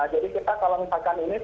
jadi kita kalau misalkan ini